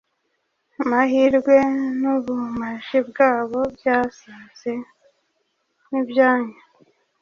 amahirwe nubumaji bwayo bwasaze nibyanyu